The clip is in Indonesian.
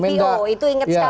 itu ingat sekali